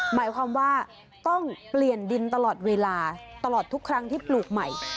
หมายความว่าต้องเปลี่ยนดินตลอดเวลาตลอดทุกครั้งที่ปลูกใหม่